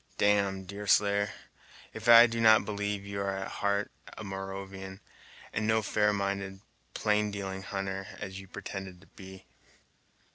"Damme, Deerslayer, if I do not believe you are at heart a Moravian, and no fair minded, plain dealing hunter, as you've pretended to be!"